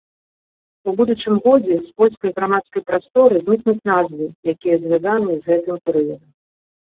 У будучым годзе з польскай грамадскай прасторы знікнуць назвы, якія звязаныя з гэтым перыядам.